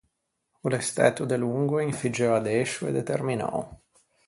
O l’é stæto delongo un figgeu addescio e determinou.